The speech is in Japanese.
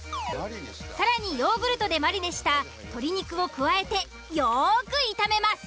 更にヨーグルトでマリネした鶏肉を加えてよく炒めます。